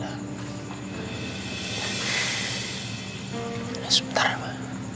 saya juga saudara semua